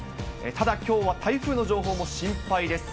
ただ、きょうは台風の情報も心配です。